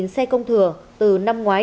bảy xe công thừa từ năm ngoái